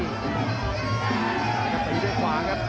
ตะเบาทองพยายามจะไปด้วยขวางครับ